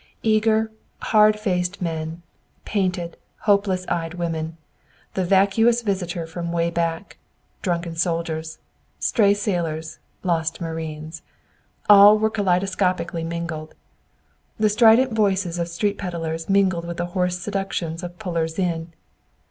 Eager, hard faced men; painted, hopeless eyed women, the vacuous visitor from "Wayback," drunken soldiers, stray sailors, lost marines, all were kaleidoscopically mingled. The strident voices of street peddlers mingled with the hoarse seductions of pullers in.